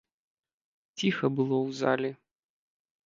Ціха было ў залі.